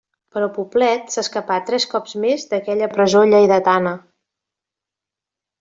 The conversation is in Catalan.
Però Poblet s'escapà tres cops més d'aquella presó lleidatana.